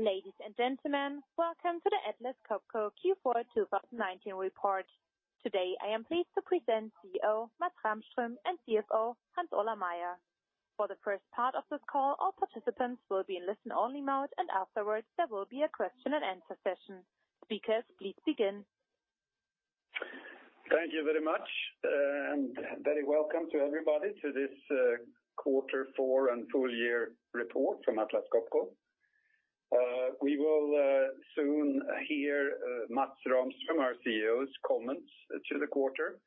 Ladies and gentlemen, welcome to the Atlas Copco Q4 2019 report. Today, I am pleased to present CEO, Mats Rahmström, and CFO, Hans Ola Meyer. For the first part of this call, all participants will be in listen only mode. Afterwards, there will be a question-and-answer session. Speakers, please begin. Thank you very much. Very welcome to everybody to this quarter four and full year report from Atlas Copco. We will soon hear Mats Rahmström, our CEO's comments to the quarter.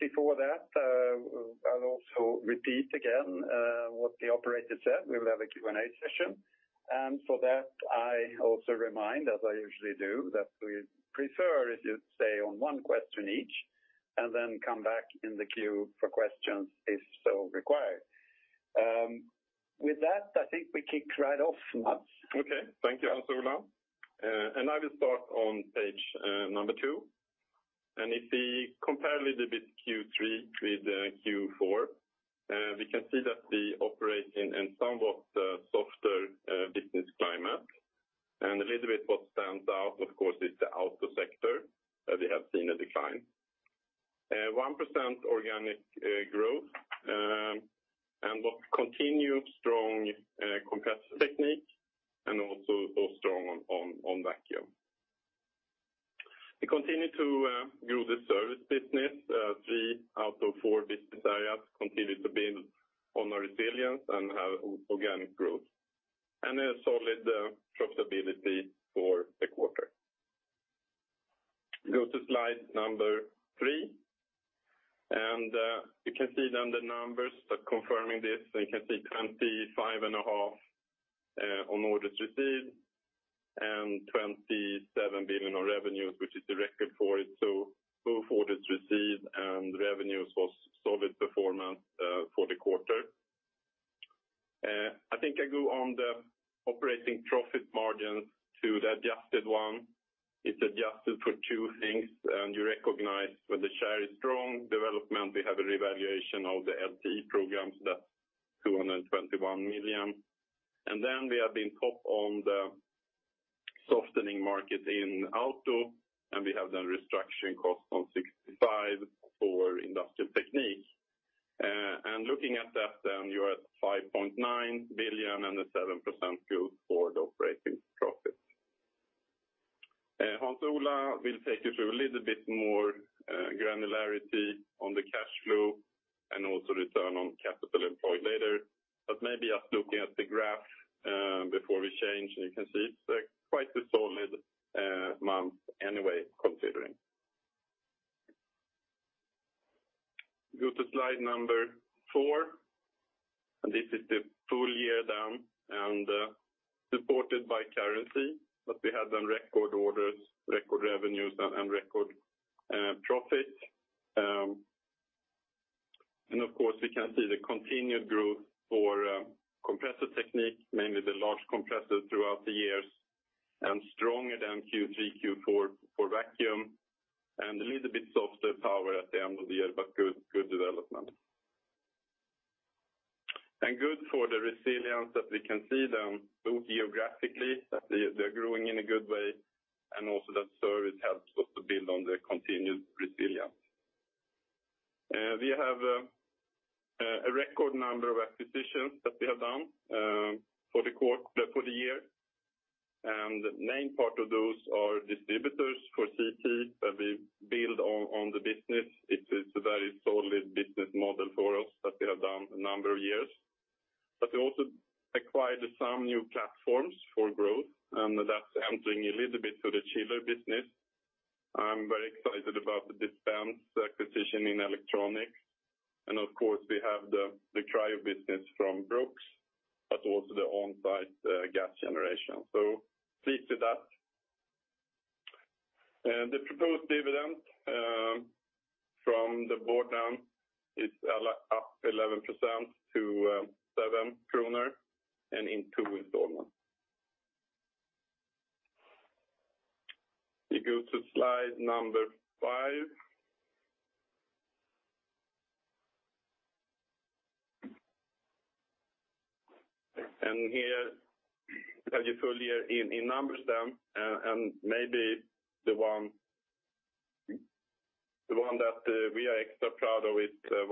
Before that, I'll also repeat again, what the operator said. We will have a Q&A session. For that, I also remind, as I usually do, that we prefer if you stay on one question each. Then come back in the queue for questions if so required. With that, I think we kick right off, Mats. Okay, thank you, Hans Ola. I will start on page number two. If we compare a little bit Q3 with Q4, we can see that we operate in a somewhat softer business climate. A little bit what stands out, of course, is the auto sector, that we have seen a decline. 1% organic growth, what continued strong, Compressor Technique and also strong on Vacuum. We continue to grow the service business. Three out of four business areas continue to build on our resilience and have organic growth, a solid profitability for the quarter. Go to slide number three, you can see then the numbers confirming this, you can see 25.5 on orders received, 27 billion on revenues, which is the record for it. Both orders received and revenues was solid performance for the quarter. I think I go on the operating profit margin to the adjusted one. It's adjusted for two things, you recognize when the share is strong development, we have a revaluation of the LTI programs, that 221 million. Then we have been top on the softening market in auto, and we have the restructuring cost on 65 for Industrial Technique. Looking at that then, you are at 5.9 billion and a 7% growth for the operating profit. Hans Ola will take you through a little bit more granularity on the cash flow and also return on capital employed later. Maybe just looking at the graph, before we change, you can see it's quite a solid month anyway, considering. Go to slide number four, this is the full year down and supported by currency, we had then record orders, record revenues and record profit. Of course, we can see the continued growth for Compressor Technique, mainly the large compressors throughout the years, stronger than Q3, Q4 for Vacuum, and a little bit softer Power at the end of the year, but good development. Good for the resilience that we can see then both geographically, that they're growing in a good way, and also that service helps us to build on the continued resilience. We have a record number of acquisitions that we have done for the year, and the main part of those are distributors for CT that we build on the business. It is a very solid business model for us that we have done a number of years. We also acquired some new platforms for growth, that's entering a little bit to the chiller business. I'm very excited about the dispense acquisition in electronic. Of course, we have the cryo business from Brooks, but also the on-site gas generation. Pleased with that. The proposed dividend, from the Board, is up 11% to 7 kronor and in two installments. We go to slide number five. Here we have your full year in numbers then, and maybe the one that we are extra proud of is 104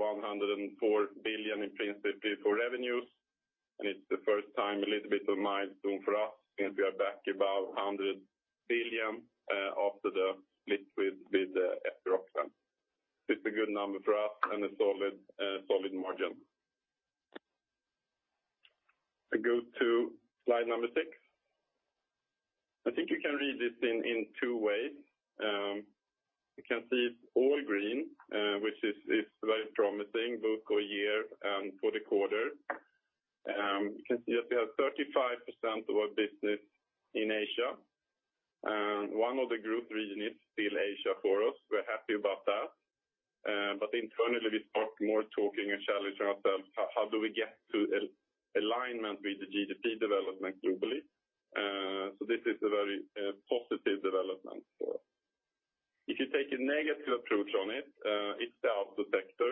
billion in principle for revenues, and it is the first time, a little bit of a milestone for us, since we are back about 100 billion, after the split with Epiroc then. It is a good number for us and a solid margin. I go to slide number six. I think you can read this in two ways. You can see it is all green, which is very promising both for year and for the quarter. You can see that we have 35% of our business in Asia, and one of the growth region is still Asia for us. We're happy about that. Internally, we start more talking and challenging ourselves, how do we get to alignment with the GDP development globally? So this is a very positive development for us. If you take a negative approach on it's the auto sector.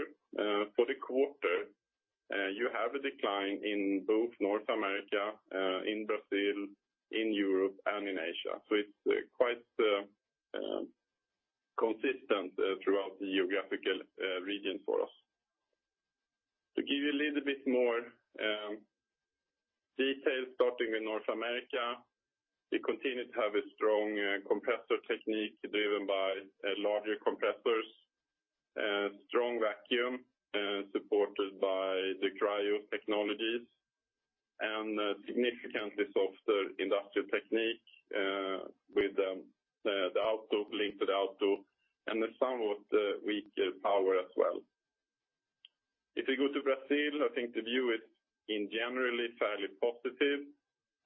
For the quarter, you have a decline in both North America, in Brazil, in Europe, and in Asia. It's quite consistent throughout the geographical region for us. To give you a little bit more detail, starting with North America, we continue to have a strong Compressor Technique driven by larger compressors, strong Vacuum supported by the cryo technologies, and significantly softer Industrial Technique with the linked auto, and a somewhat weaker Power as well. If we go to Brazil, I think the view is generally fairly positive.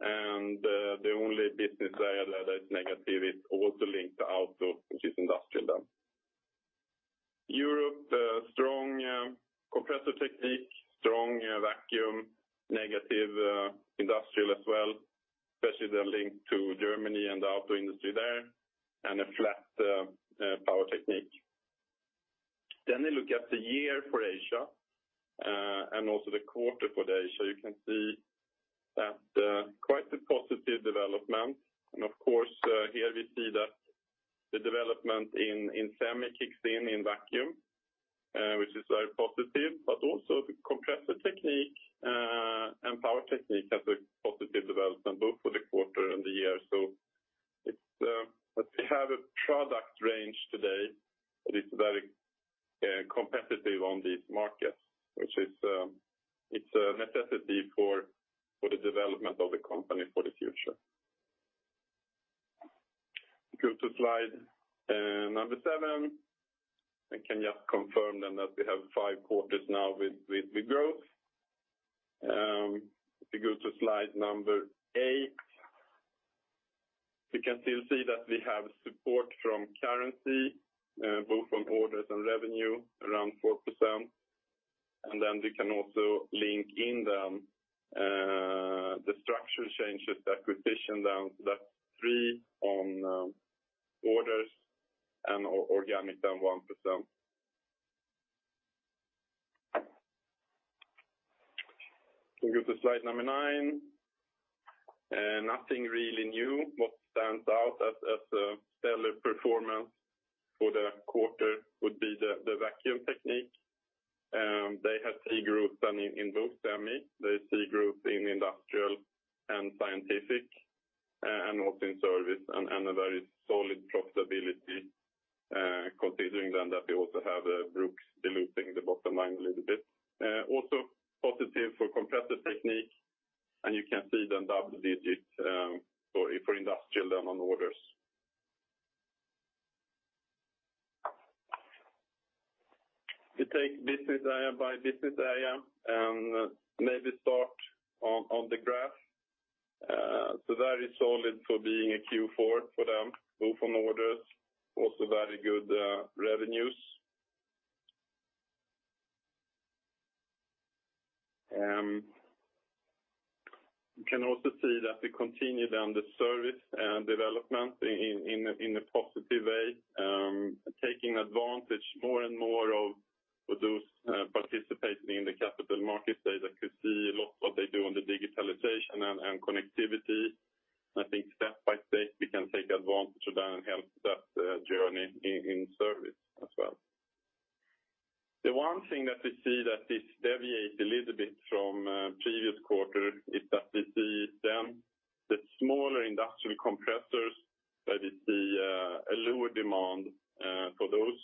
The only business area that is negative is also linked to auto, which is Industrial then. Europe, strong Compressor Technique, strong Vacuum, negative Industrial as well, especially the link to Germany and the auto industry there, and a flat Power Technique. We look at the year for Asia. Also the quarter for Asia, you can see that quite a positive development. Of course, here we see that the development in semi kicks in Vacuum, which is very positive, but also the Compressor Technique, and Power Technique has a positive development both for the quarter and the year. We have a product range today that is very competitive on these markets, which is a necessity for the development of the company for the future. Go to slide number seven. I can just confirm then that we have five quarters now with growth. If we go to slide number eight, we can still see that we have support from currency, both on orders and revenue, around 4%. We can also link in the structure changes, the acquisition down to that three on orders and organic down 1%. We go to slide number nine. Nothing really new. What stands out as a stellar performance for the quarter would be the Vacuum Technique. They had strong growth in both semi. The strong growth in Industrial and scientific, and also in service, and a very solid profitability, considering then that we also have Brooks diluting the bottom line a little bit. Also positive for Compressor Technique, and you can see then double digits for Industrial Technique then on orders. We take business area by business area, and maybe start on the graph. Very solid for being a Q4 for them, both on orders, also very good revenues. You can also see that we continue the service development in a positive way, taking advantage more and more of those participating in the capital markets there that could see a lot what they do on the digitalization and connectivity. I think step by step we can take advantage of that and help that journey in service as well. The one thing that we see that this deviates a little bit from previous quarter is that we see the smaller industrial compressors, that is the lower demand for those,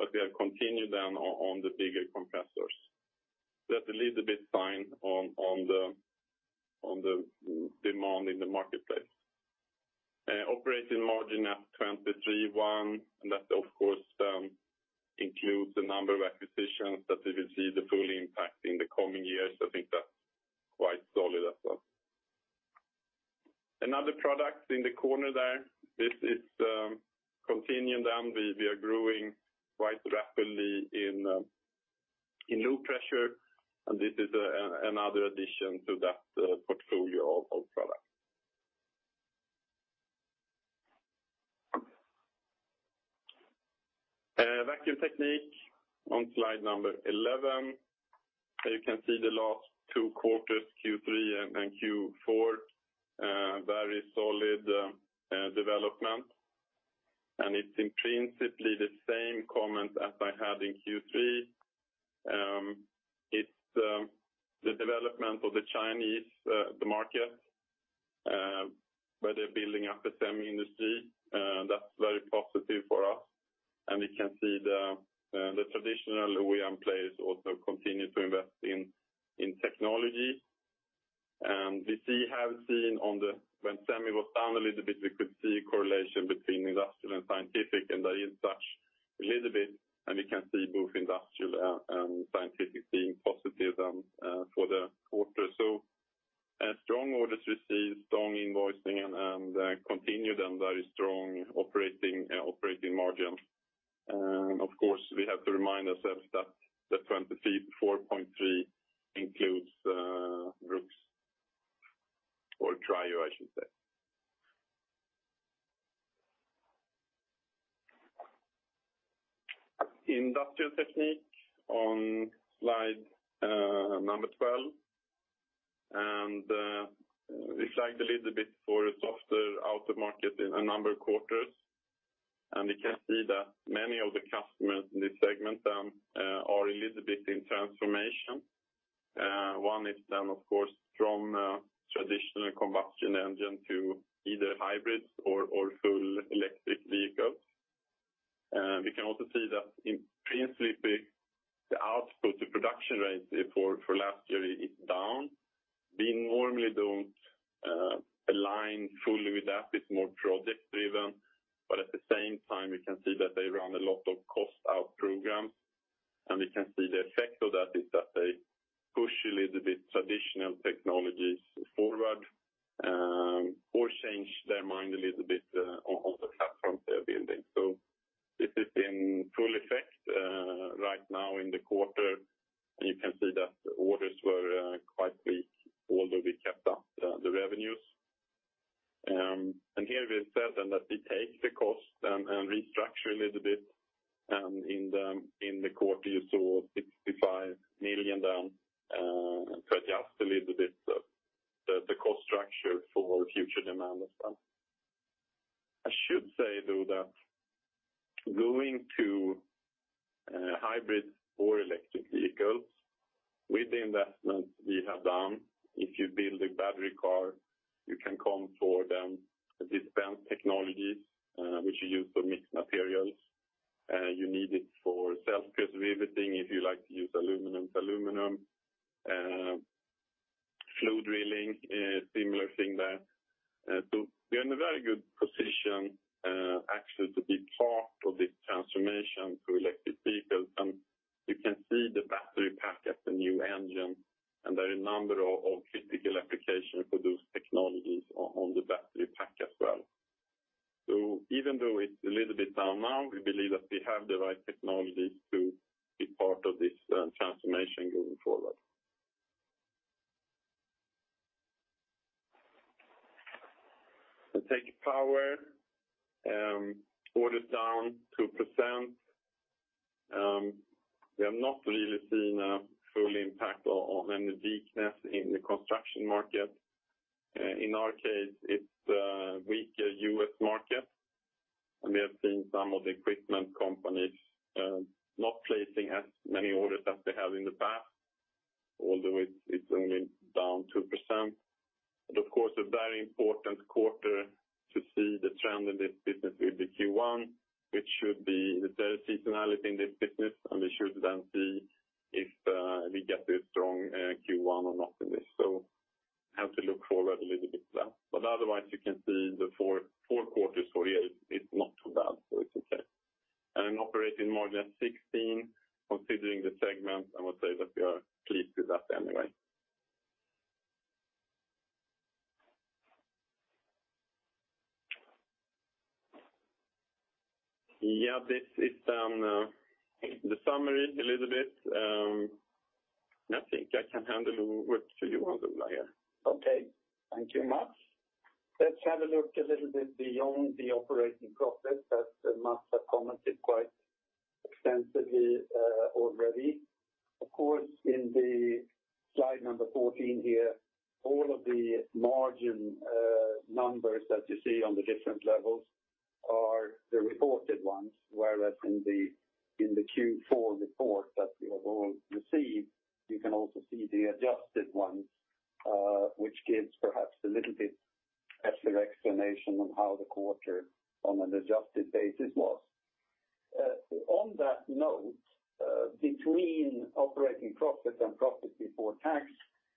but we have continued on the bigger compressors. That's a little bit sign on the demand in the marketplace. Operating margin at 23.1%, and that of course includes the number of acquisitions that we will see the full impact in the coming years. I think that's quite solid as well. Another product in the corner there, this is continuing then we are growing quite rapidly in low pressure, and this is another addition to that portfolio of products. Vacuum Technique on slide number 11. You can see the last two quarters, Q3 and Q4, very solid development. It's in principle the same comment as I had in Q3. It's the development of the Chinese market, where they're building up the semi industry. That's very positive for us, and we can see the traditional OEM players also continue to invest in technology. We have seen when semi was down a little bit, we could see correlation between industrial and scientific, and there is such a little bit, and we can see both industrial and scientific being positive for the quarter. Strong orders received, strong invoicing, and continued very strong operating margin. Of course, we have to remind ourselves that the 234.3 includes Roux or cryo, I should say. Industrial Technique on slide number 12. We flagged a little bit for a softer outer market in a number of quarters, and we can see that many of the customers in this segment are a little bit in transformation. One is, of course, from traditional combustion engine to either hybrids or full electric vehicles. We can also see that increasingly the output, the production rate for last year is down. We normally don't align fully with that. It's more project-driven. At the same time, we can see that they run a lot of cost-out programs, and we can see the effect of that is that they push a little bit traditional technologies forward, or change their mind a little bit on the platforms they're building. This is in full effect right now in the quarter, and you can see that orders were quite weak, although we kept up the revenues. Here we've said then that we take the cost and restructure a little bit, in the quarter you saw 65 million down and try to adjust a little bit the cost structure for future demand as well. I should say, though, that going to hybrid or electric vehicles with the investments we have done, if you build a battery car, you can come for the dispense technologies, which you use for mixed materials. You need it for self-pierce riveting if you like to use aluminum. Flow drilling, similar thing there. We're in a very good position, actually, to be part of this transformation to electric vehicles, and you can see the battery pack as the new engine, and there are a number of critical applications for those technologies on the battery pack as well. Even though it's a little bit down now, we believe that we have the right technologies to be part of this transformation going forward. Power Technique, orders down 2%. We have not really seen a full impact on any weakness in the construction market. In our case, it's a weaker U.S. market, and we have seen some of the equipment companies not placing as many orders as they have in the past, although it's only down 2%. Of course, a very important quarter to see the trend in this business will be Q1, which should be the seasonality in this business, and we should then see if we get a strong Q1 or not in this. Have to look forward a little bit to that. Otherwise, you can see the four quarters for here is not too bad, so it's okay. An operating margin of 16, considering the segment, I would say that we are pleased with that anyway. Yeah, this is the summary a little bit. I think I can hand over to you, Hans Ola, here. Okay. Thank you, Mats. Let's have a look a little bit beyond the operating profit that Mats has commented quite extensively already. Of course, in the slide number 14 here, all of the margin numbers that you see on the different levels are the reported ones, whereas in the Q4 report that we have all received, you can also see the adjusted ones, which gives perhaps a little bit extra explanation on how the quarter on an adjusted basis was. On that note, between operating profit and profit before tax,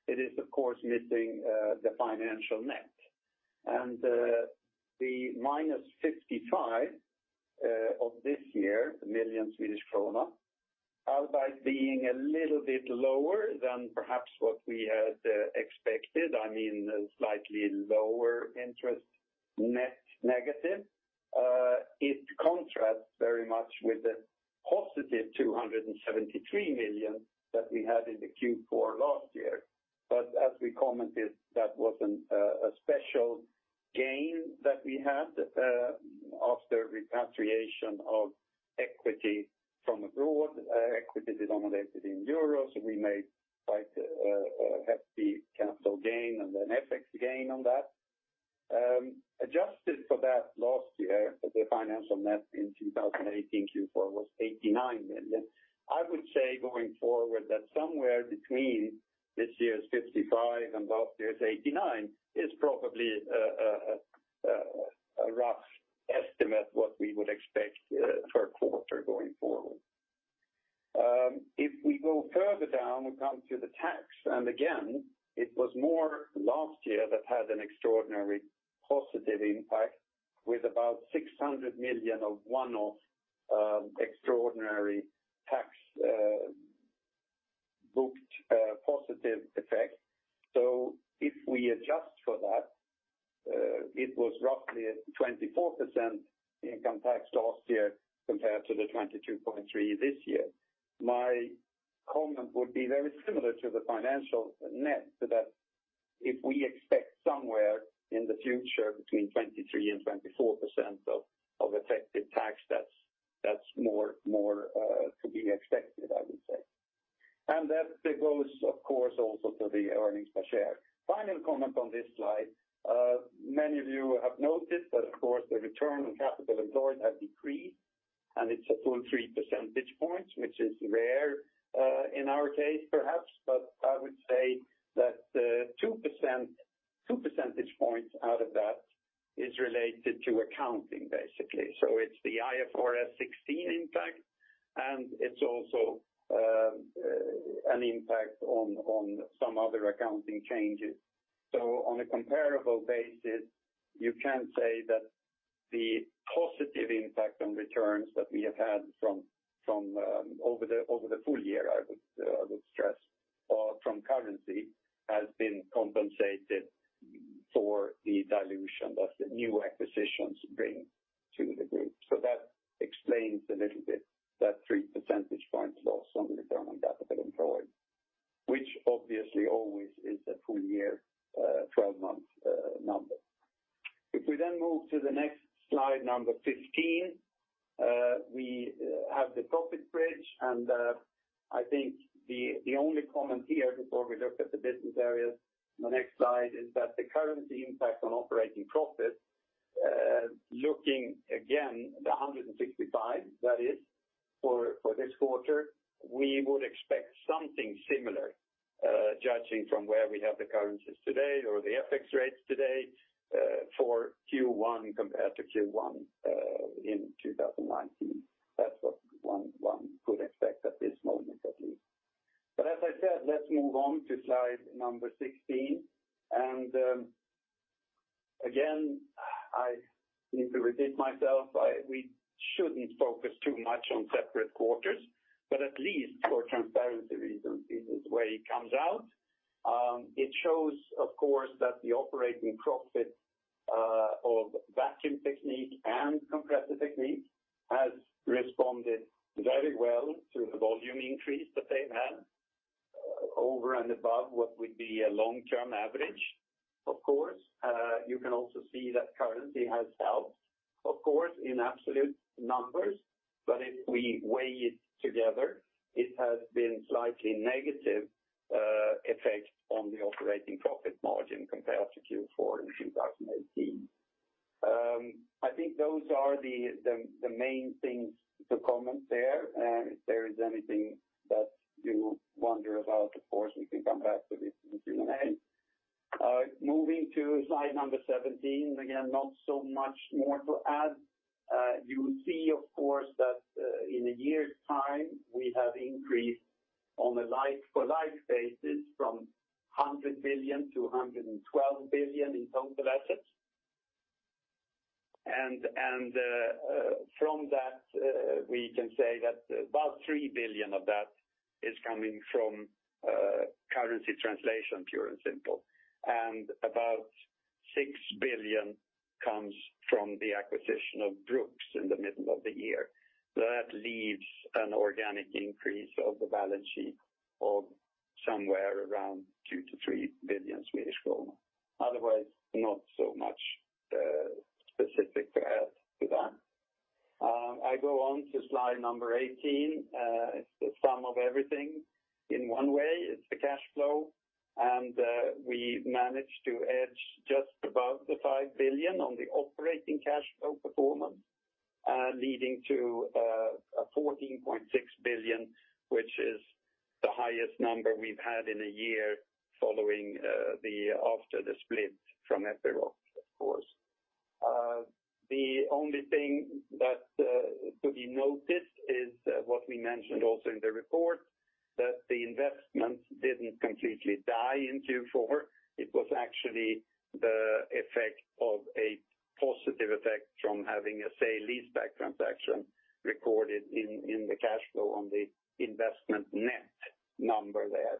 it is of course missing the financial net. Final comment on this slide. Many of you have noticed that, of course, the return on capital employed has decreased, and it's a full 3 percentage points, which is rare in our case, perhaps. I would say that 2 percentage points out of that is related to accounting, basically. It's the IFRS 16 impact, and it's also an impact on some other accounting changes. On a comparable basis, you can say that the positive impact on returns that we have had from over the full year, I would stress from currency, has been compensated for the dilution that the new acquisitions bring to the group. That explains a little bit that 3 percentage points loss on return on capital employed, which obviously always is a full year, 12-month number. If we move to the next slide, number 15, we have the profit bridge, and I think the only comment here before we look at the business areas on the next slide is that the currency impact on operating profit, looking again, the 165, that is for this quarter. We would expect something similar, judging from where we have the currencies today or the FX rates today, for Q1 compared to Q1 in 2019. That's what one could expect at this moment, at least. As I said, let's move on to slide number 16. Again, I need to repeat myself. We shouldn't focus too much on separate quarters, at least for transparency reasons, this is where it comes out. It shows, of course, that the operating profit of Vacuum Technique and Compressor Technique has responded very well to the volume increase that they've had over and above what would be a long-term average, of course. You can also see that currency has helped, of course, in absolute numbers, if we weigh it together, it has been slightly negative effect on the operating profit margin compared to Q4 in 2018. I think those are the main things to comment there. If there is anything that you wonder about, of course, we can come back to this in Q&A. Moving to slide number 17, again, not so much more to add. You see, of course, that in a year's time, we have increased on a like-for like basis from 100 billion-112 billion in total assets. From that, we can say that about 3 billion of that is coming from currency translation, pure and simple, and about 6 billion comes from the acquisition of Brooks in the middle of the year. That leaves an organic increase of the balance sheet of somewhere around 2 billion-3 billion Swedish kronor. Otherwise, not so much specific to add to that. I go on to slide number 18. It's the sum of everything in one way. It's the cash flow. We managed to edge just above 5 billion on the operating cash flow performance, leading to a 14.6 billion, which is the highest number we've had in a year following after the split from Epiroc, of course. The only thing that could be noticed is what we mentioned also in the report, that the investment didn't completely die in Q4. It was actually the effect of a positive effect from having a sale leaseback transaction recorded in the cash flow on the investment net number there.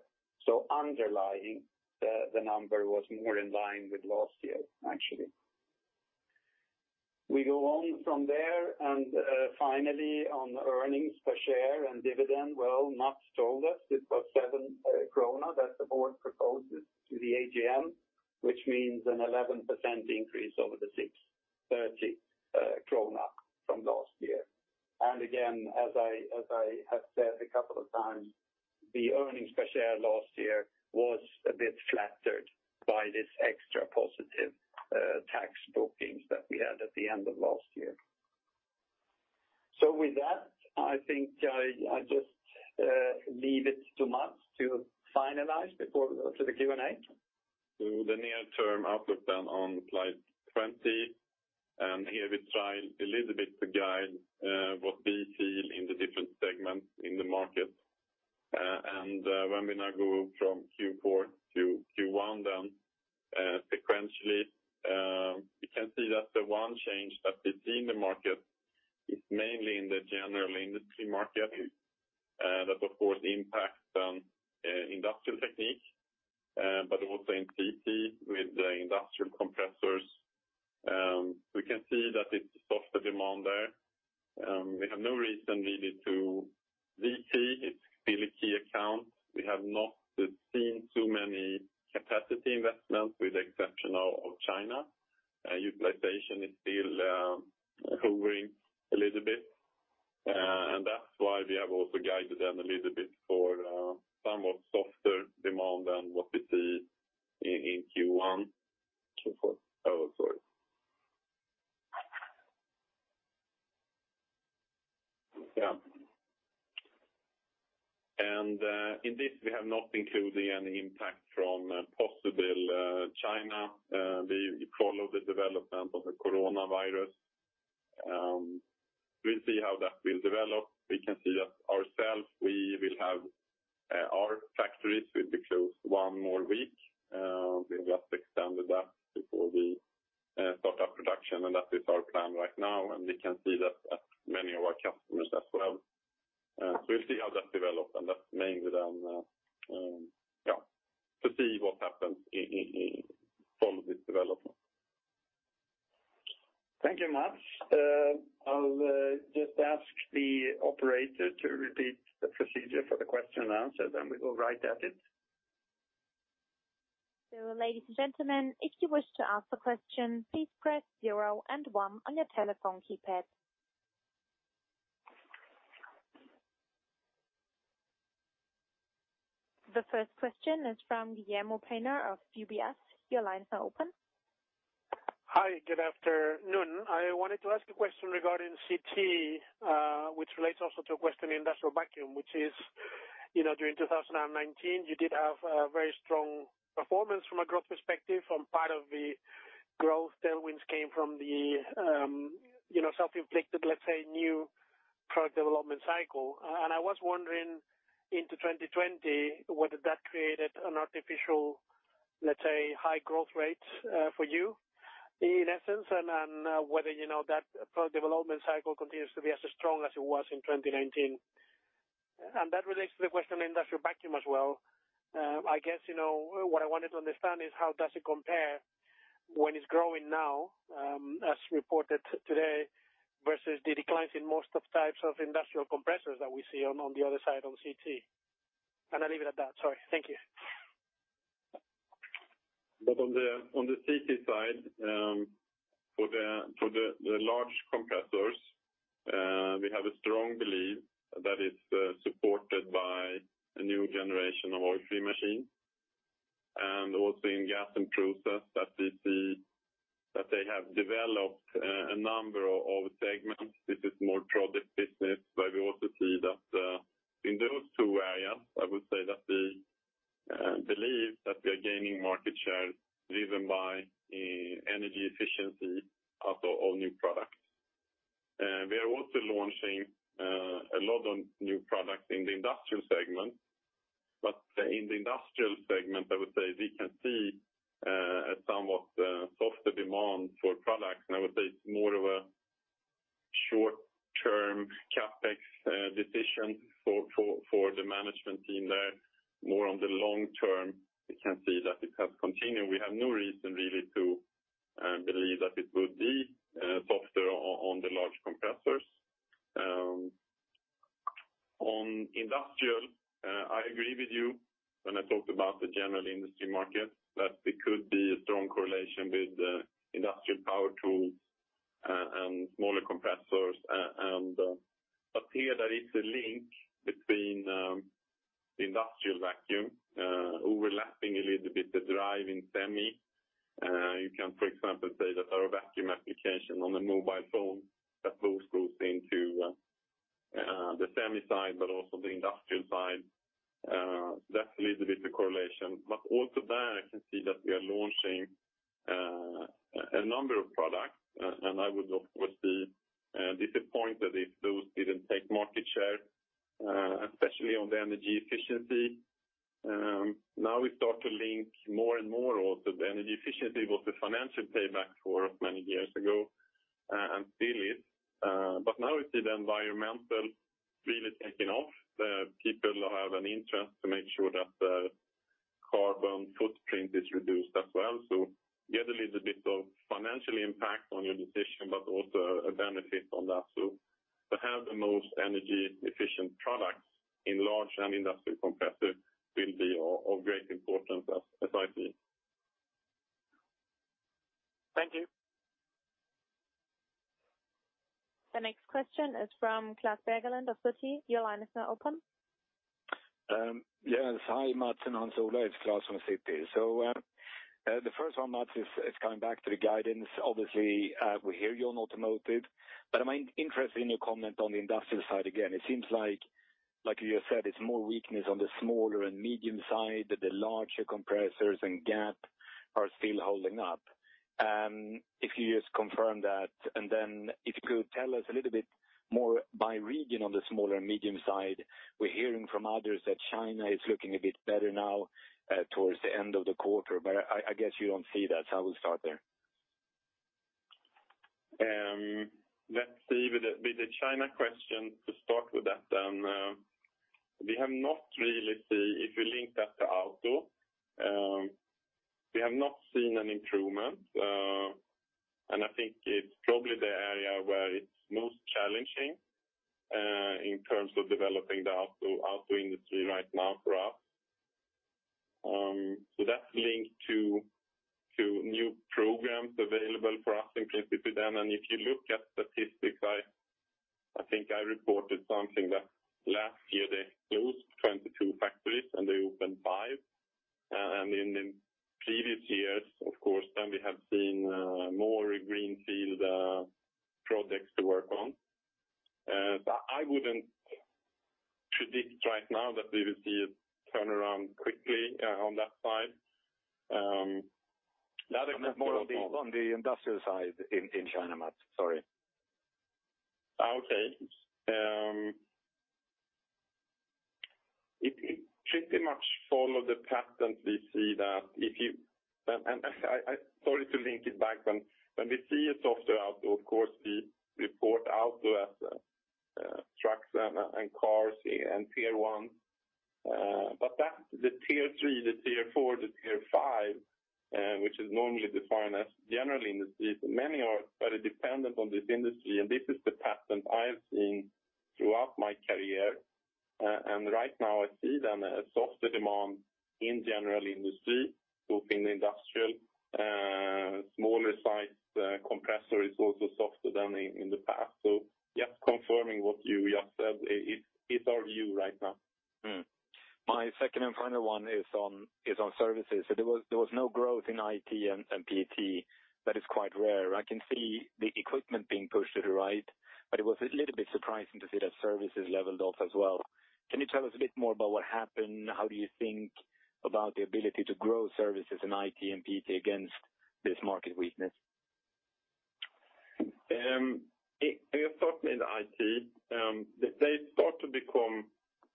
Underlying the number was more in line with last year, actually. We go on from there. Finally on earnings per share and dividend, well, Mats told us it was 7 krona that the board proposes to the AGM, which means an 11% increase over the 6.30 krona from last year. Again, as I have said a couple of times, the earnings per share last year was a bit flattered by this extra positive tax bookings that we had at the end of last year. With that, I think I just leave it to Mats to finalize before to the Q&A. To the near term outlook then on slide 20, here we try a little bit to guide what we see in the different segments in the market. When we now go from Q4 to Q1 then sequentially, we can see that the one change that we see in the market is mainly in the general industry market that, of course, impacts Industrial Technique, but also in CT with the industrial compressors. We can see that it's softer demand there. We have no reason really to CT. It's still a key account. We have not seen too many capacity investments with the exception of China. Utilization is still hovering a little bit, and that's why we have also guided them a little bit for somewhat softer demand than what we see in Q1. Q4. Oh, sorry. Yeah. In this, we have not included any impact from possible China. We follow the development of the coronavirus. We'll see how that will develop. We can see that ourselves. We will have our factories will be closed one more week. We have just extended that before we start our production, and that is our plan right now, and we can see that at many of our customers as well. We'll see how that develops, and that's mainly down, yeah, to see what happens in follow this development. Thank you, Mats. I'll just ask the operator to repeat the procedure for the question-and-answer, then we go right at it. Ladies and gentlemen, if you wish to ask a question, please press zero and one on your telephone keypad. The first question is from Guillermo Peigneux of UBS. Your lines are open. Hi, good afternoon. I wanted to ask a question regarding CT, which relates also to a question in Vacuum Technique, which is, during 2019, you did have a very strong performance from a growth perspective, from part of the growth tailwinds came from the self-inflicted, let's say, new product development cycle. I was wondering into 2020 whether that created an artificial, let's say, high growth rate for you, in essence, and whether that product development cycle continues to be as strong as it was in 2019. That relates to the question of Vacuum Technique as well. I guess, what I wanted to understand is how does it compare when it's growing now, as reported today, versus the declines in most of types of industrial compressors that we see on the other side on CT. I leave it at that, sorry. Thank you. On the CT side, for the large compressors, we have a strong belief that it's supported by a new generation of oil-free machines, and also in Gas and Process that we see that they have developed a number of segments. This is more project business, we also see that in those two areas, I would say that we believe that we are gaining market share driven by energy efficiency of new products. We are also launching a lot of new products in the industrial segment, in the industrial segment, I would say we can see a somewhat softer demand for products, I would say it's more of a short term CapEx decision for the management team there. More on the long term, we can see that it has continued. We have no reason really to believe that it would be softer on the large compressors. On Industrial, I agree with you when I talked about the general industry market, that it could be a strong correlation with industrial power tools and smaller compressors. Here, there is a link between Industrial and Vacuum, overlapping a little bit the drive in semi. You can, for example, say that our vacuum application on a mobile phone, that both goes into the semi side, but also the industrial side. That's a little bit the correlation. Also there, I can see that we are launching a number of products, and I would, of course, be disappointed if those didn't take market share, especially on the energy efficiency. Now we start to link more and more also the energy efficiency was the financial payback for many years ago, and still is, but now we see the environmental really taking off. People have an interest to make sure that the carbon footprint is reduced as well. You have a little bit of financial impact on your decision, but also a benefit on that. To have the most energy efficient products in large and industrial compressor will be of great importance as I see. Thank you. The next question is from Klas Bergelind of Citi. Your line is now open. Yes. Hi, Mats and Hans Ola. It's Klas from Citi. The first one, Mats, is coming back to the guidance. Obviously, we hear you on automotive, but I'm interested in your comment on the industrial side again. It seems like you said, it's more weakness on the smaller and medium side, that the larger compressors and Gas and Process are still holding up. If you just confirm that, and then if you could tell us a little bit more by region on the smaller and medium side. We're hearing from others that China is looking a bit better now, towards the end of the quarter, but I guess you don't see that, so I will start there. Let's see, with the China question, to start with that then. We have not really seen, if you link that to auto, we have not seen an improvement. I think it's probably the area where it's most challenging in terms of developing the auto industry right now for us. That's linked to new programs available for us in principle then, and if you look at statistics, I think I reported something that last year they closed 22 factories, and they opened five. In previous years, of course, then we have seen more greenfield projects to work on. I wouldn't predict right now that we will see a turnaround quickly on that side. More on the industrial side in China, Mats, sorry. Okay. It pretty much followed the pattern we see. Sorry to link it back when we see a softer outdoor, of course, we report outdoor as trucks and cars and Tier 1. That's the Tier 3, the Tier 4, the Tier 5 which is normally defined as General Industry. Many are very dependent on this industry, and this is the pattern I've seen throughout my career. Right now I see then a softer demand in General Industry, both in industrial smaller size compressor is also softer than in the past. Yes, confirming what you just said is our view right now. My second and final one is on services. There was no growth in IT and PT. That is quite rare. I can see the equipment being pushed to the right, but it was a little bit surprising to see that services leveled off as well. Can you tell us a bit more about what happened? How do you think about the ability to grow services in IT and PT against this market weakness? You talked in the IT, they start to become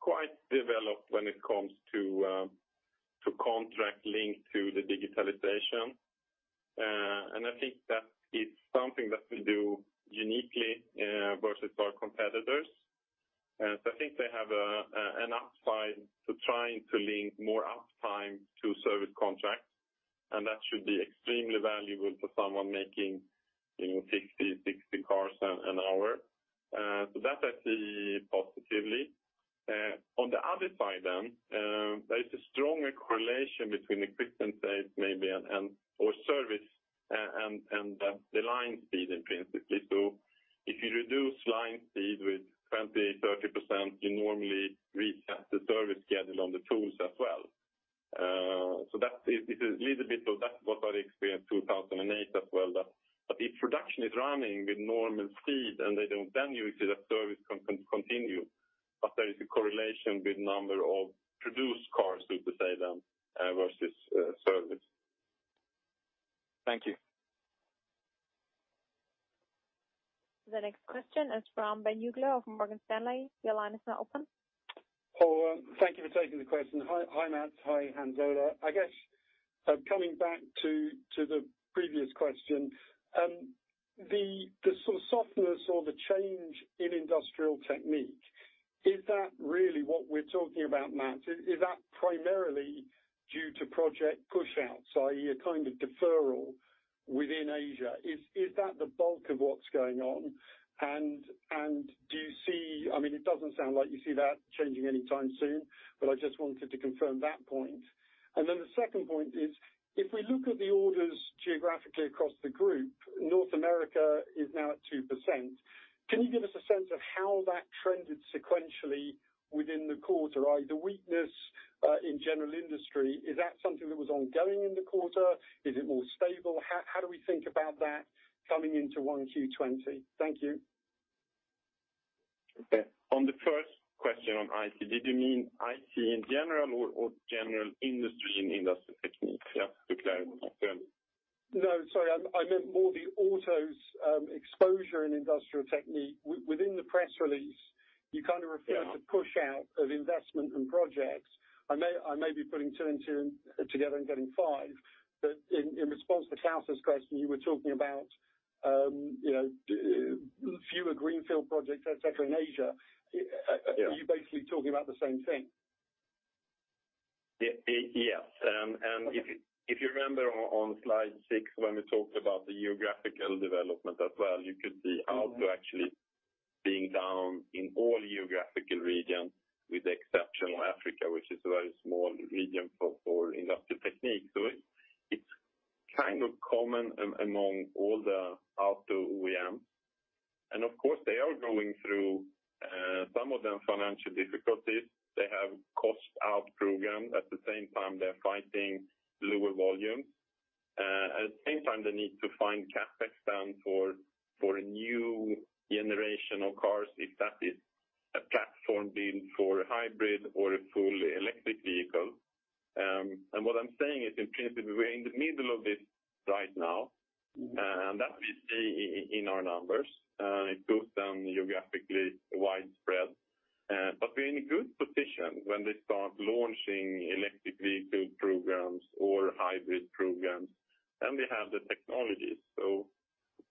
quite developed when it comes to contract linked to the digitalization. I think that is something that we do uniquely versus our competitors. I think they have an upside to trying to link more uptime to service contracts, and that should be extremely valuable to someone making 60 cars an hour. That I see positively. On the other side, there is a strong correlation between equipment sales maybe and or service and the line speed in principle. If you reduce line speed with 20%, 30%, you normally reset the service schedule on the tools as well. That is a little bit of that, what I experienced 2008 as well, that if production is running with normal speed and they don't, then you see that service continue. There is a correlation with number of produced cars, so to say then, versus service. Thank you. The next question is from Ben Uglow of Morgan Stanley. Your line is now open. Hello. Thank you for taking the question. Hi, Mats. Hi, Hans Ola. I guess coming back to the previous question, the sort of softness or the change in Industrial Technique, is that really what we're talking about, Mats? Is that primarily due to project push outs, i.e., a kind of deferral within Asia? Is that the bulk of what's going on? It doesn't sound like you see that changing anytime soon, but I just wanted to confirm that point. The second point is if we look at the orders geographically across the group, North America is now at 2%. Can you give us a sense of how that trended sequentially within the quarter? The weakness in general industry, is that something that was ongoing in the quarter? Is it more stable? How do we think about that coming into 1Q20? Thank you. Okay. On the first question on IT, did you mean IT in general or general industry in Industrial Technique? Just for clarity. No, sorry. I meant more the autos exposure in Industrial Technique. Within the press release, you kind of referred to push out of investment and projects. I may be putting two and two together and getting five. In response to Klas' question, you were talking about fewer greenfield projects, et cetera, in Asia. Yeah. Are you basically talking about the same thing? Yes. Okay. If you remember on slide six when we talked about the geographical development as well, you could see auto actually being down in all geographical regions with the exception of Africa, which is a very small region for Industrial Technique. It's kind of common among all the auto OEM. Of course, they are going through, some of them, financial difficulties. They have cost out program. At the same time, they're fighting lower volume. At the same time, they need to find CapEx spend for a new generation of cars, if that is a platform built for hybrid or a fully electric vehicle. What I'm saying is in principle, we're in the middle of this right now. That we see in our numbers. It goes down geographically widespread. We're in a good position when they start launching electric vehicle programs or hybrid programs, and we have the technologies. It's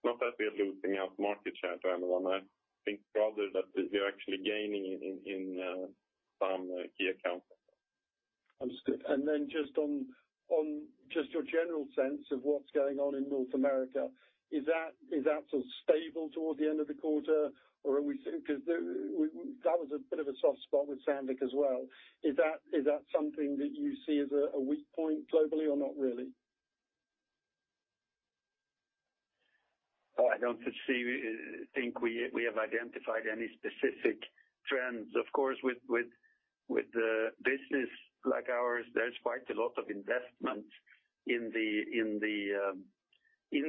not that we are losing out market share to anyone. I think rather that we're actually gaining in some key accounts. Understood. Just on your general sense of what's going on in North America, is that sort of stable toward the end of the quarter? Because that was a bit of a soft spot with Sandvik as well. Is that something that you see as a weak point globally or not really? Oh, I don't think we have identified any specific trends. Of course, with a business like ours, there's quite a lot of investment in the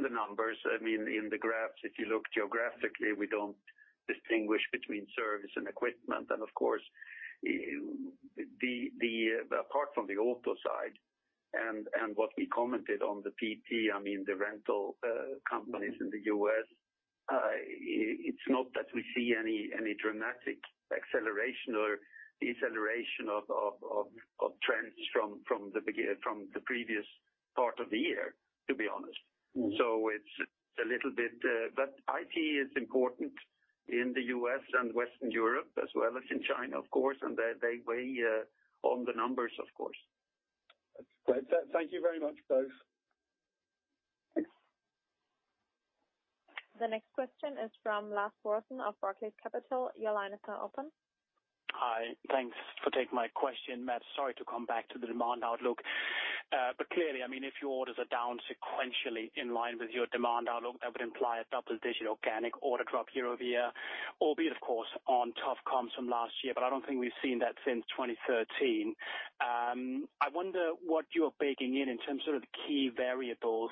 numbers. In the graphs, if you look geographically, we don't distinguish between service and equipment. Of course, apart from the auto side and what we commented on the PT, the rental companies in the U.S., it's not that we see any dramatic acceleration or deceleration of trends from the previous part of the year, to be honest. IT is important in the U.S. and Western Europe, as well as in China, of course, and they weigh on the numbers, of course. That's great. Thank you very much, both. Thanks. The next question is from Lars Brorson of Barclays Capital. Your line is now open. Hi. Thanks for taking my question. Mats, sorry to come back to the demand outlook. Clearly, if your orders are down sequentially in line with your demand outlook, that would imply a double-digit organic order drop year-over-year, albeit of course, on tough comps from last year, but I don't think we've seen that since 2013. I wonder what you are baking in terms of the key variables.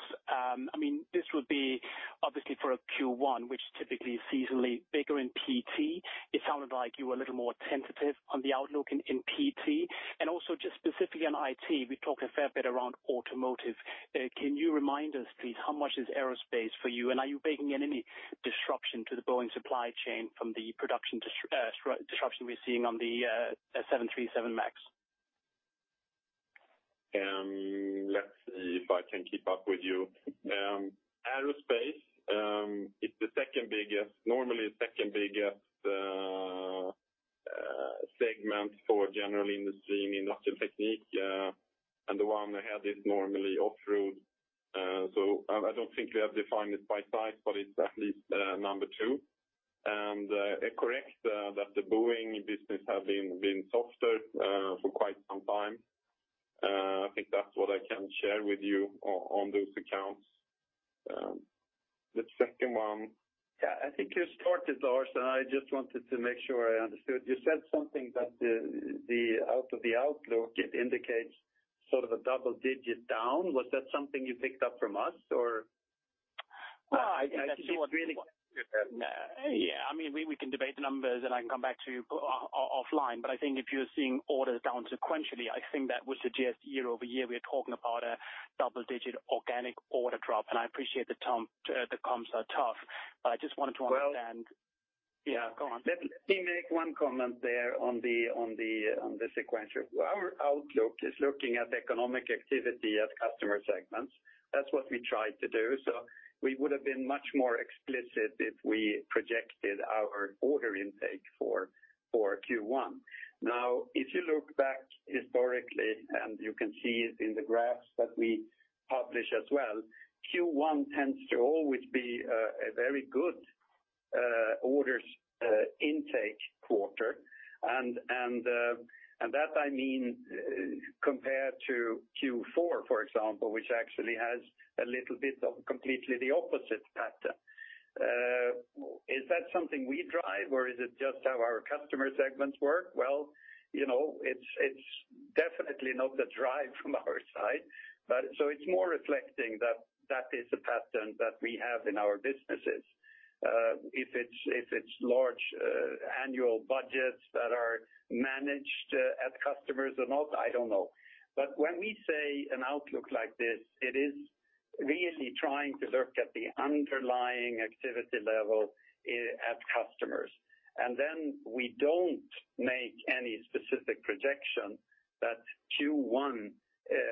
This would be obviously for a Q1, which typically is seasonally bigger in PT. It sounded like you were a little more tentative on the outlook in PT. Also just specifically on IT, we talked a fair bit around automotive. Can you remind us, please, how much is aerospace for you, and are you baking in any disruption to the Boeing supply chain from the production disruption we're seeing on the 737 MAX? Let's see if I can keep up with you. Aerospace, it's normally the second-biggest segment for general industry in Industrial Technique, and the one ahead is normally off-road. I don't think we have defined it by size, but it's at least number two. Correct, that the Boeing business has been softer for quite some time. I think that's what I can share with you on those accounts. The second one. Yeah, I think you started, Lars. I just wanted to make sure I understood. You said something that out of the outlook, it indicates sort of a double-digit down. Was that something you picked up from us or? Well, I think. Yeah. We can debate the numbers, and I can come back to you offline. I think if you're seeing orders down sequentially, I think that would suggest year-over-year, we are talking about a double-digit organic order drop. I appreciate the comps are tough, but I just wanted to understand. Well. Yeah, go on. Let me make one comment there on the sequential. Our outlook is looking at economic activity at customer segments. That's what we try to do. We would have been much more explicit if we projected our order intake for Q1. If you look back historically, and you can see it in the graphs that we publish as well, Q1 tends to always be a very good orders intake quarter. That I mean, compared to Q4, for example, which actually has a little bit of completely the opposite pattern. Is that something we drive, or is it just how our customer segments work? It's definitely not the drive from our side. It's more reflecting that that is a pattern that we have in our businesses. If it's large annual budgets that are managed at customers or not, I don't know. When we say an outlook like this, it is really trying to look at the underlying activity level at customers. We don't make any specific projection that Q1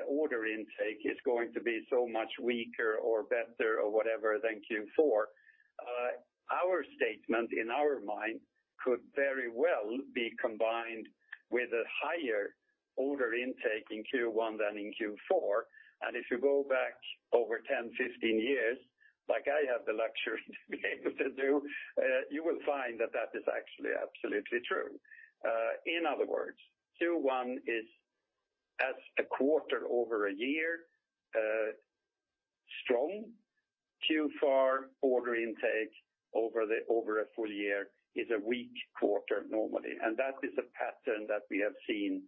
order intake is going to be so much weaker or better or whatever than Q4. Our statement, in our mind, could very well be combined with a higher order intake in Q1 than in Q4. If you go back over 10, 15 years, like I have the luxury to be able to do, you will find that that is actually absolutely true. In other words, Q1 is as a quarter over a year, strong. Q4 order intake over a full year is a weak quarter normally. That is a pattern that we have seen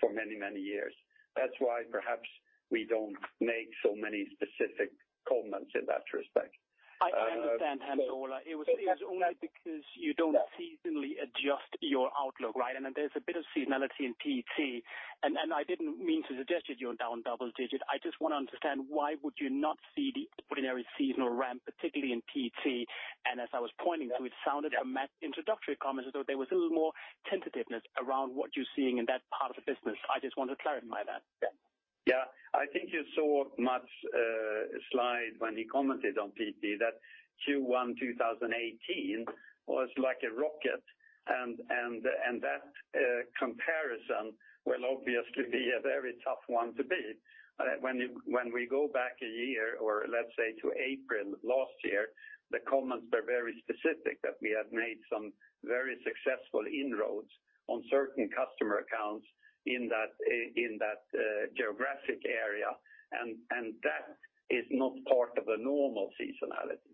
for many, many years. That's why perhaps we don't make so many specific comments in that respect. I understand, Hans Ola. It was only because you don't seasonally adjust your outlook, right? There's a bit of seasonality in PT, I didn't mean to suggest that you're down double digit. I just want to understand why would you not see the ordinary seasonal ramp, particularly in PT? As I was pointing to, it sounded a Mats introductory comment as though there was a little more tentativeness around what you're seeing in that part of the business. I just wanted to clarify that. I think you saw Mats' slide when he commented on PT, that Q1 2018 was like a rocket. That comparison will obviously be a very tough one to beat. When we go back a year or let's say to April of last year, the comments were very specific that we have made some very successful inroads on certain customer accounts in that geographic area. That is not part of a normal seasonality.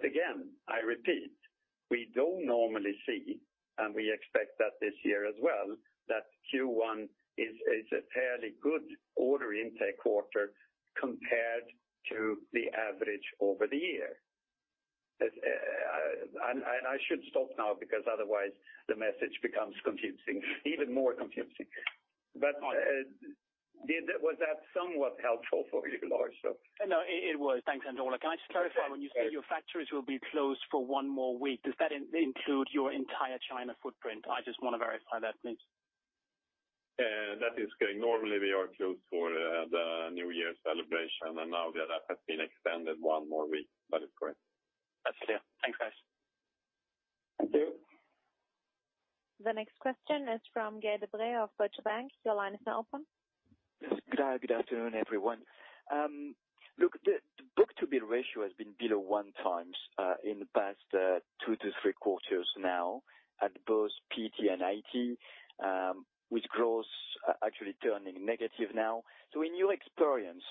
Again, I repeat, we don't normally see, and we expect that this year as well, that Q1 is a fairly good order intake quarter compared to the average over the year. I should stop now because otherwise the message becomes confusing, even more confusing. Was that somewhat helpful for you, Lars? No, it was. Thanks, Hans Ola. Can I just clarify when you say your factories will be closed for one more week, does that include your entire China footprint? I just want to verify that, please. That is correct. Normally we are closed for the New Year's celebration, and now that has been extended one more week. That is correct. That's clear. Thanks, guys. Thank you. The next question is from Gael de Bray of Deutsche Bank. Your line is now open. Yes. Good afternoon, everyone. Look, the book-to-bill ratio has been below one times in the past two to three quarters now at both PT and IT, with growth actually turning negative now. In your experience,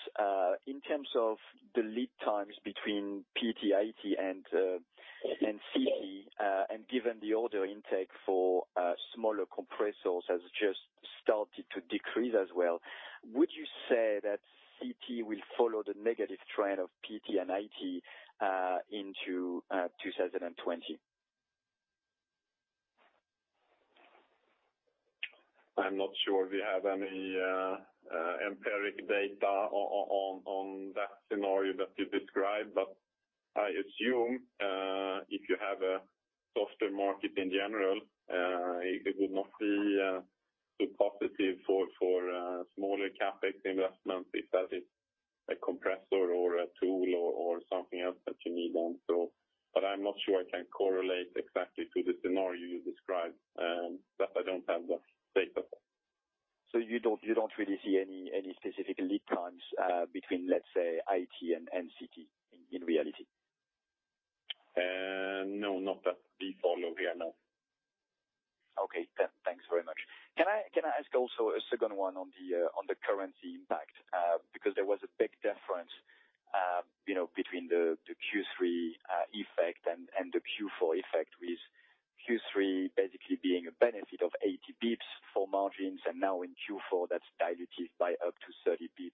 in terms of the lead times between PT, IT, and CT, and given the order intake for smaller compressors has just started to decrease as well, would you say that CT will follow the negative trend of PT and IT into 2020? I'm not sure we have any empirical data on that scenario that you described, but I assume if you have a softer market in general, it would not be too positive for smaller CapEx investment, if that is a compressor or a tool or something else that you need. I'm not sure I can correlate exactly to the scenario you described, that I don't have that data. You don't really see any specific lead times between, let's say, IT and CT in reality? No, not that we follow here, no. Okay. Thanks very much. Can I ask also a second one on the currency impact? There was a big difference between the Q3 effect and the Q4 effect, with Q3 basically being a benefit of 80 basis points for margins, and now in Q4, that's dilutive by up to 30 basis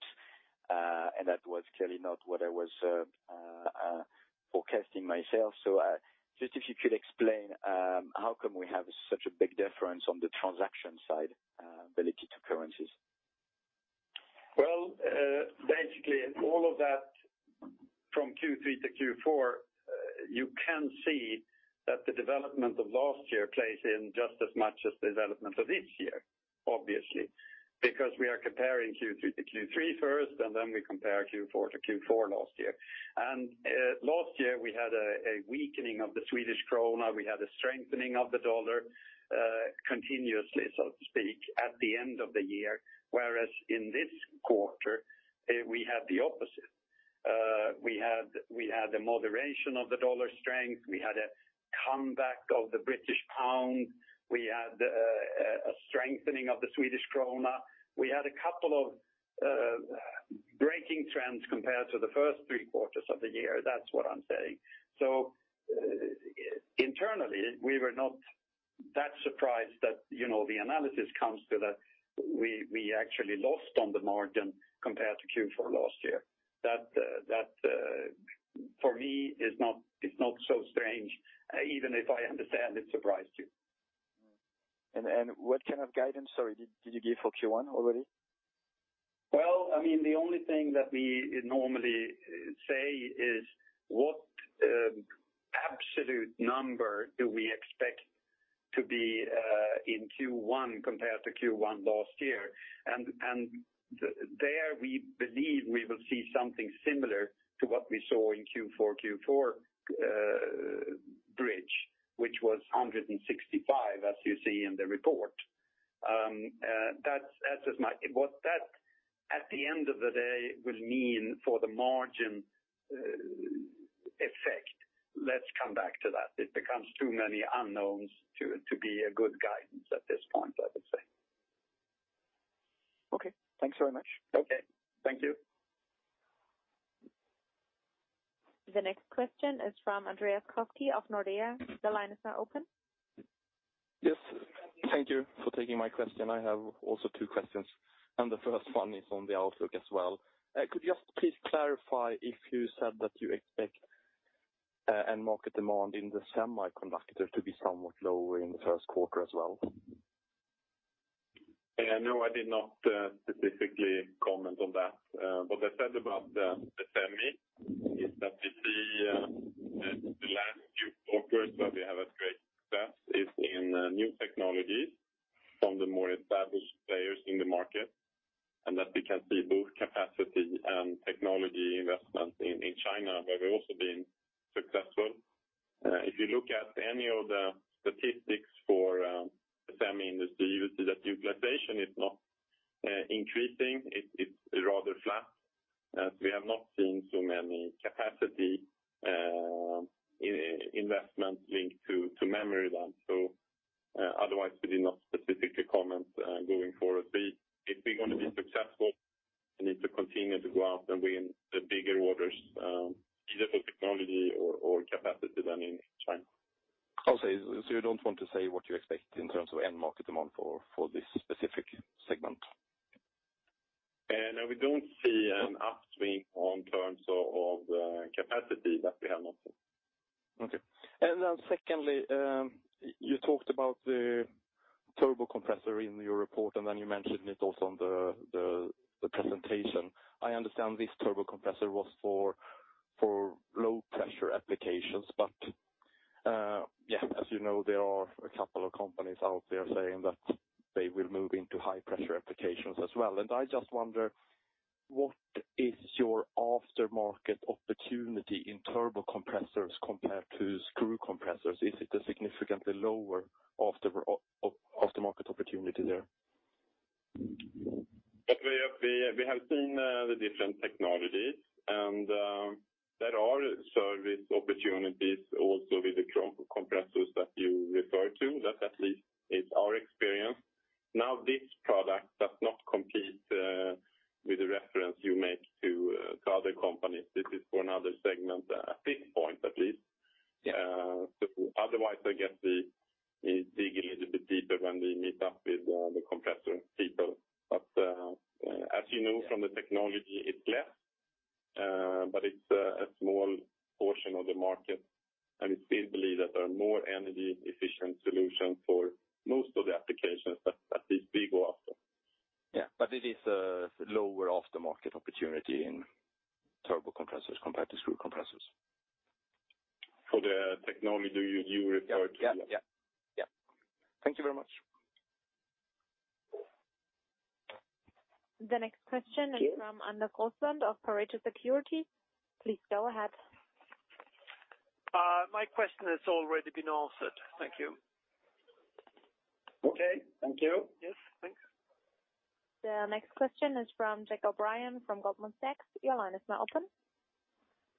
points. That was clearly not what I was forecasting myself. Just if you could explain, how come we have such a big difference on the transaction side related to currencies? Well, basically, all of that from Q3 to Q4, you can see that the development of last year plays in just as much as the development of this year, obviously. We are comparing Q3 to Q3 first, then we compare Q4 to Q4 last year. Last year, we had a weakening of the Swedish krona, we had a strengthening of the dollar continuously, so to speak, at the end of the year. Whereas in this quarter, we had the opposite. We had a moderation of the dollar strength. We had a comeback of the British pound. We had a strengthening of the Swedish krona. We had a couple of breaking trends compared to the first three quarters of the year. That's what I'm saying. Internally, we were not that surprised that the analysis comes to that we actually lost on the margin compared to Q4 last year. That for me is not so strange, even if I understand it surprised you. What kind of guidance, sorry, did you give for Q1 already? Well, the only thing that we normally say is what absolute number do we expect to be in Q1 compared to Q1 last year, and there we believe we will see something similar to what we saw in Q4 bridge, which was 165, as you see in the report. What that, at the end of the day, will mean for the margin effect, let's come back to that. It becomes too many unknowns to be a good guidance at this point, I would say. Okay. Thanks very much. Okay. Thank you. The next question is from Andreas Koski of Nordea. The line is now open. Yes. Thank you for taking my question. I have also two questions. The first one is on the outlook as well. Could you just please clarify if you said that you expect end market demand in the semiconductor to be somewhat lower in the first quarter as well? No, I did not specifically comment on that. What I said about the semi is that we see the last few quarters have new technologies from the more established players in the market, and that we can see both capacity and technology investment in China, where we're also being successful. If you look at any of the statistics for the semi industry, you will see that utilization is not increasing. It's rather flat. We have not seen so many capacity investments linked to memory. Otherwise, we did not specifically comment going forward. If we're going to be successful, we need to continue to go out and win the bigger orders, either for technology or capacity then in China. I'll say, you don't want to say what you expect in terms of end market demand for this specific segment? No, we don't see an upswing in terms of capacity. That we have not seen. Okay. Secondly, you talked about the turbo compressor in your report, and then you mentioned it also on the presentation. I understand this turbo compressor was for low pressure applications. As you know, there are a couple of companies out there saying that they will move into high pressure applications as well. I just wonder what is your aftermarket opportunity in turbo compressors compared to screw compressors? Is it a significantly lower aftermarket opportunity there? We have seen the different technologies, and there are service opportunities also with the turbo compressors that you refer to. That at least is our experience. Now, this product does not compete with the reference you make to other companies. This is for another segment at this point, at least. Yeah. Otherwise, I guess we dig a little bit deeper when we meet up with the compressor people. As you know from the technology, it's less, but it's a small portion of the market, and we still believe that there are more energy efficient solutions for most of the applications that at least we go after. Yeah, it is a lower aftermarket opportunity in turbo compressors compared to screw compressors? For the technology you referred to, yes. Yeah. Thank you very much. The next question is from Anders Roslund of Pareto Securities. Please go ahead. My question has already been answered. Thank you. Okay. Thank you. Yes. Thanks. The next question is from Jack O'Brien from Goldman Sachs. Your line is now open.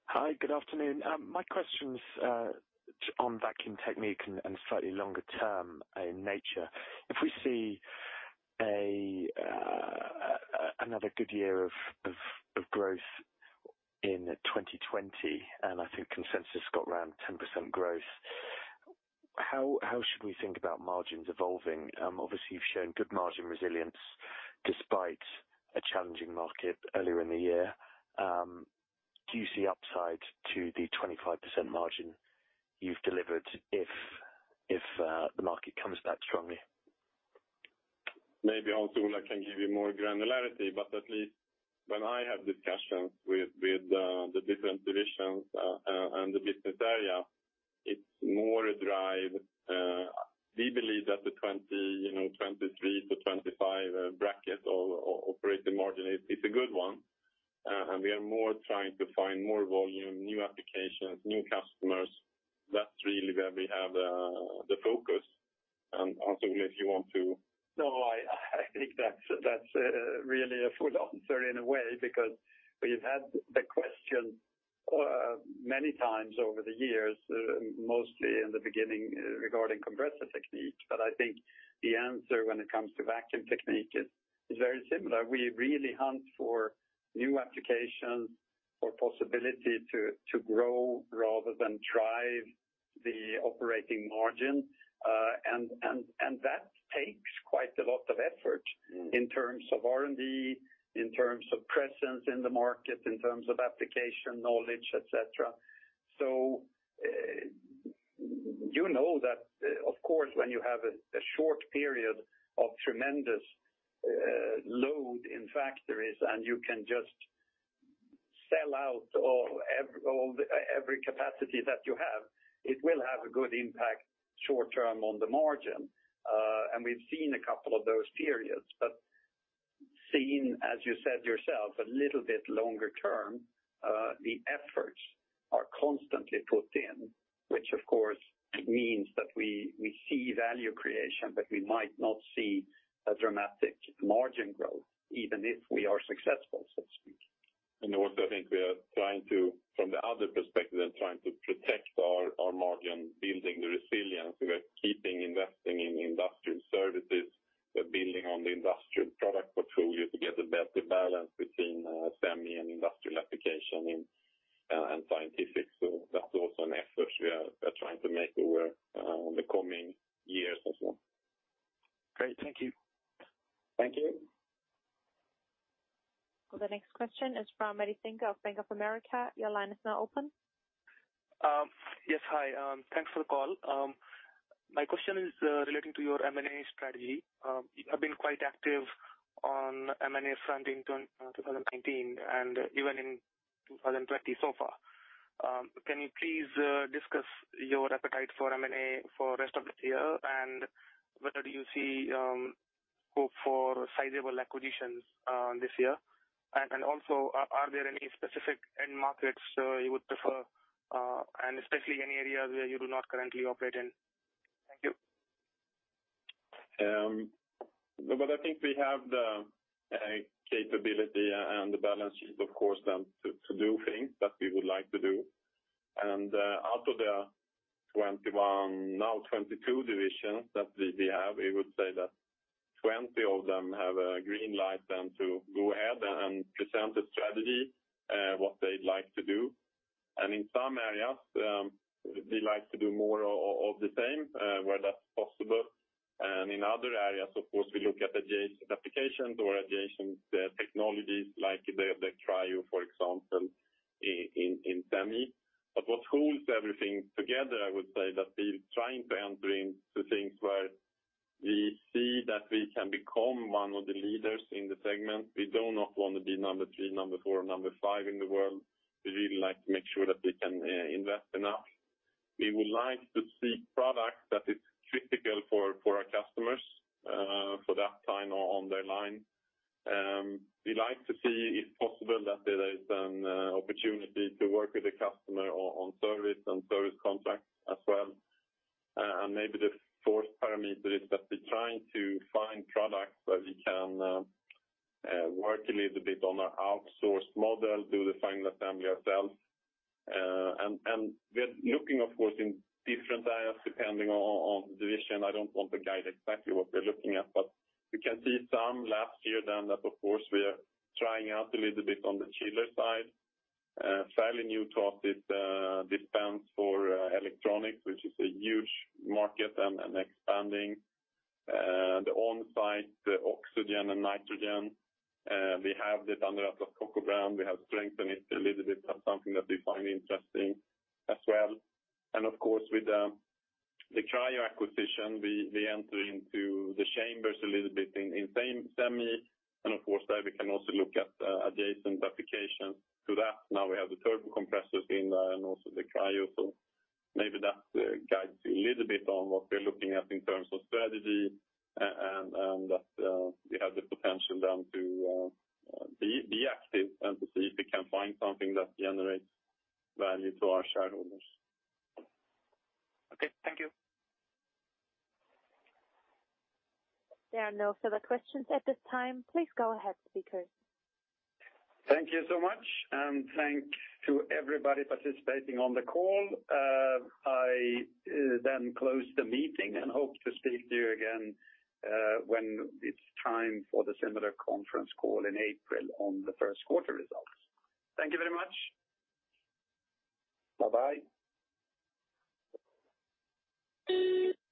Hi, good afternoon. My question's on Vacuum Technique and slightly longer term in nature. If we see another good year of growth in 2020, and I think consensus got around 10% growth, how should we think about margins evolving? Obviously, you've shown good margin resilience despite a challenging market earlier in the year. Do you see upside to the 25% margin you've delivered if the market comes back strongly? Maybe Hans Ola can give you more granularity, but at least when I have discussions with the different divisions and the business area, it's more a drive. We believe that the 23%-25% bracket of operating margin is a good one, and we are more trying to find more volume, new applications, new customers. That's really where we have the focus. Hans Ola, if you want to. No, I think that's really a full answer in a way, because we've had the question many times over the years, mostly in the beginning regarding Compressor Technique. I think the answer when it comes to Vacuum Technique is very similar. We really hunt for new applications or possibility to grow rather than drive the operating margin. That takes quite a lot of effort in terms of R&D, in terms of presence in the market, in terms of application knowledge, et cetera. You know that, of course, when you have a short period of tremendous load in factories, and you can just sell out all every capacity that you have, it will have a good impact short term on the margin. We've seen a couple of those periods, but seeing, as you said yourself, a little bit longer term, the efforts are constantly put in, which of course means that we see value creation, but we might not see a dramatic margin growth even if we are successful, so to speak. Also, I think we are trying to, from the other perspective, trying to protect our margin, building the resilience. We are keeping investing in industrial services. We're building on the industrial product portfolio to get a better balance between semi and industrial application and scientific. That's also an effort we are trying to make over the coming years as well. Great. Thank you. Thank you. The next question is from Ritika of Bank of America. Your line is now open. Yes. Hi. Thanks for the call. My question is relating to your M&A strategy. You have been quite active on M&A front in 2019 and even in 2020 so far. Can you please discuss your appetite for M&A for rest of this year, whether do you see hope for sizable acquisitions this year? Also, are there any specific end markets you would prefer, and especially any areas where you do not currently operate in? Thank you. I think we have the capability and the balance sheet, of course, then to do things that we would like to do. Out of the 21, now 22 divisions that we have, we would say that 20 of them have a green light then to go ahead and present a strategy, what they'd like to do. In some areas, we'd like to do more of the same, where that's possible. In other areas, of course, we look at adjacent applications or adjacent technologies like the cryo, for example, in semi. But what holds everything together, I would say, that we're trying to enter into things where we see that we can become one of the leaders in the segment. We do not want to be number three, number four, or number five in the world. We really like to make sure that we can invest enough. We would like to see product that is critical for our customers, for that time on their line. We like to see if possible, that there is an opportunity to work with the customer on service and service